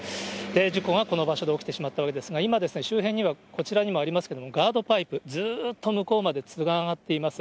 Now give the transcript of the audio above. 事故がこの場所で起きてしまったわけですが、今、周辺にはこちらにもありますけれども、ガードパイプ、ずっと向こうまで連なっています。